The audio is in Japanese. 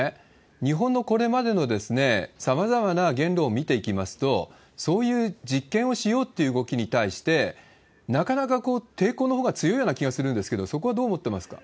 日本のこれまでのさまざまな言動を見ていきますと、そういう実験をしようっていう動きに対して、なかなか抵抗のほうが強いような気がするんですけれども、そこはどう思ってますか？